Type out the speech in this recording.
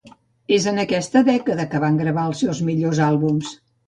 És en aquesta dècada quan van gravar els seus millors àlbums.